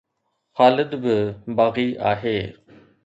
خالد به باغي آهي